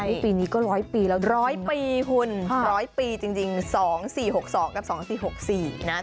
นี่ปีนี้ก็ร้อยปีแล้วร้อยปีคุณร้อยปีจริงจริงสองสี่หกสองกับสองสี่หกสี่นะ